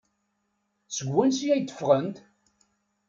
Seg wansi ay d-ffɣent?